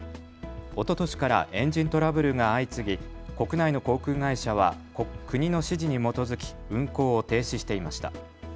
おととしからエンジントラブルが相次ぎ国内の航空会社は国の指示に基づき運航を停止していました。